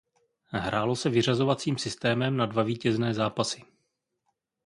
Hrálo se vyřazovacím systémem na dva vítězné zápasy.